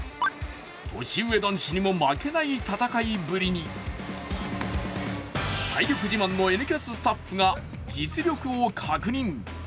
年上男子にも負けない戦いぶりに体力自慢の「Ｎキャス」スタッフが実力を確認。